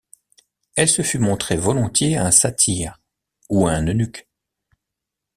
Elle se fût montrée volontiers à un satyre, ou à un eunuque.